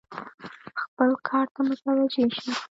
خپل کار ته متوجه شه !